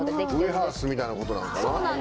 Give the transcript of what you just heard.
ウエハースみたいなことなのかな。